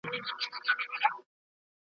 تازه ګل د خوب رو یانو په ټولۍ کي.